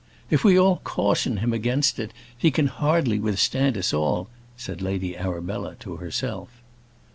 "If we all caution him against it, he can hardly withstand us all!" said Lady Arabella to herself.